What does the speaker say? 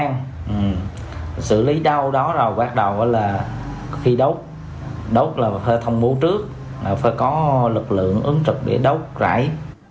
mình xử lý đau đó rồi bắt đầu là khi đốt đốt là phải thông bố trước phải có lực lượng ứng trực để đốt rãi